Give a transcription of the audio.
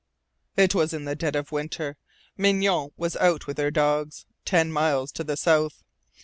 "It was in the dead of winter. Mignonne was out with her dogs, ten miles to the south.